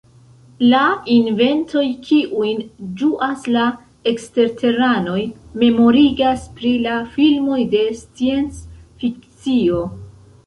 La inventoj kiujn ĝuas la eksterteranoj memorigas pri la filmoj de scienc-fikcio.